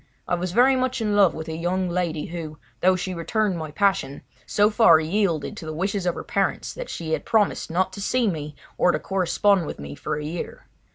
I was very much in love with a young lady who, though she returned my passion, so far yielded to the wishes of her parents that she had promised not to see me or to correspond with me for a year.